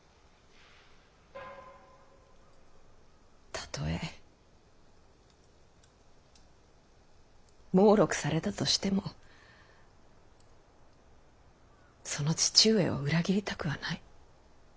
たとえ耄碌されたとしてもその父上を裏切りたくはない。